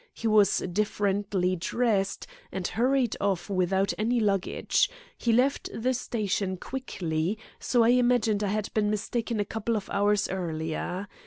He was differently dressed, and hurried off without any luggage. He left the station quickly, so I imagined I had been mistaken a couple of hours earlier.